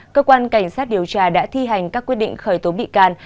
cơ quan cảnh sát điều tra đã thi hành các quyết định khởi tố bị can